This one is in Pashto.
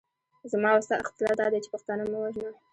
زما او ستا اختلاف دادی چې پښتانه مه وژنه.